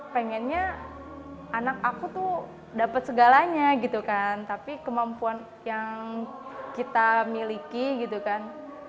pengennya anak aku tuh dapet segalanya gitu kan tapi kemampuan yang kita miliki gitu kan